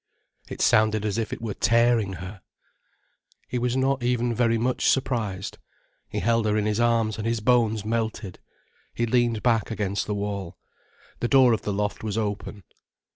It sounded as if it were tearing her. He was not even very much surprised. He held her in his arms, and his bones melted. He leaned back against the wall. The door of the loft was open.